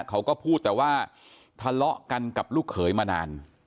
เขาก็พูดแต่ว่าทะเลาะกันกับลูกเขยมานาน